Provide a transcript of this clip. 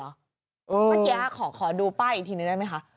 เมื่อกี้ขอดูป้ายอีกทีนึงได้ไหมคะ